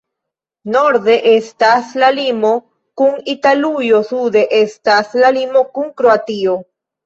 Norde estas la limo kun Italujo, sude estas la limo kun Kroatio.